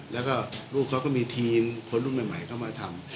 แล้วก็ลูกเขาก็มีทีมคนรุ่นใหม่เข้ามาทำ